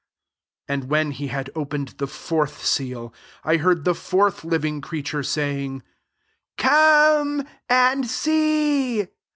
*' 7 And when he had opened the fourth seal, I heard the fourth living creature saying, " Come [and seej."